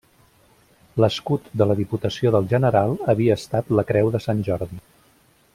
L'escut de la Diputació del General havia estat la creu de Sant Jordi.